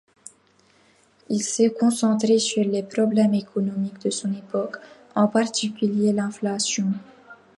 Il s'est concentré sur les problèmes économiques de son époque, en particulier l'inflation.